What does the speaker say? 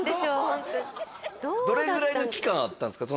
ホントどれぐらいの期間あったんですか？